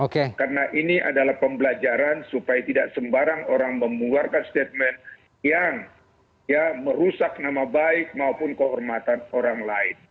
karena ini adalah pembelajaran supaya tidak sembarang orang membuarkan statement yang merusak nama baik maupun kehormatan orang lain